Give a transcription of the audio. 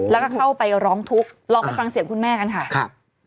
แล้วก็เข้าไปร้องทุกข์ลองไปฟังเสียงคุณแม่กันค่ะครับ